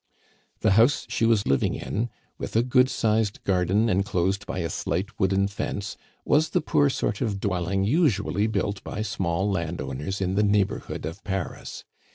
The house she was living in, with a good sized garden enclosed by a slight wooden fence, was the poor sort of dwelling usually built by small landowners in the neighborhood of Paris.